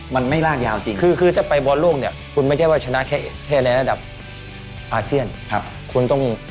มันไม่ลากยาวจริง